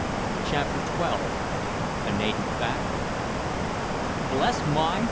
CHAPTER XII A NATIVE BATTLE "Bless my